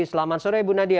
selamat sore ibu nadia